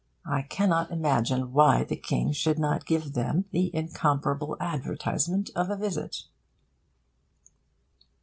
I cannot imagine why the King should not give them the incomparable advertisement of a visit.